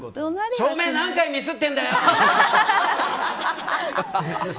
照明何回ミスってんだよ！とか。